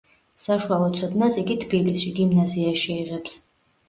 საშუალო ცოდნას იგი თბილისში, გიმნაზიაში იღებს.